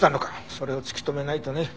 それを突き止めないとね。